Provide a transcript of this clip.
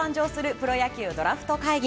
プロ野球ドラフト会議。